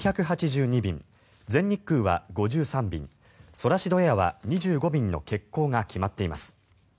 便全日空は５３便ソラシドエアは２５便の欠航が決まっています。